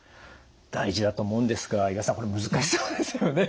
大事だと思うんですが岩田さんこれ難しそうですよね。